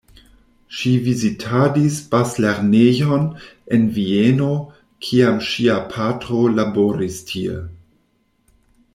Ŝi vizitadis bazlernejon en Vieno, kiam ŝia patro laboris tie.